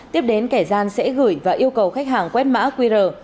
tiếp đến kẻ gian sẽ gửi và yêu cầu khách hàng quét mã qr